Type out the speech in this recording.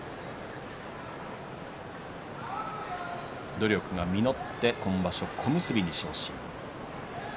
努力が実って今場所小結に昇進。